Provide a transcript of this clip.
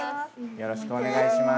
よろしくお願いします。